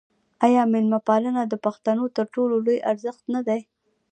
آیا میلمه پالنه د پښتنو تر ټولو لوی ارزښت نه دی؟